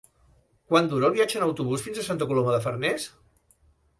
Quant dura el viatge en autobús fins a Santa Coloma de Farners?